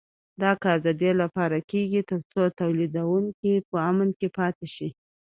دا کار د دې لپاره کېږي تر څو تولیدوونکي په امن کې پاتې شي.